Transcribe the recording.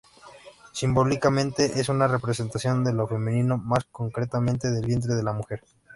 Simbólicamente es una representación de lo femenino, más concretamente del vientre de la mujer.